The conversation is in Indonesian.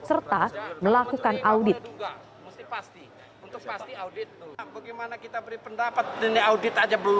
serta melakukan audit